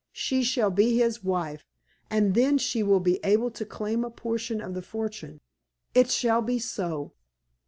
She shall be his wife; and then she will be able to claim a portion of the fortune. It shall be so!"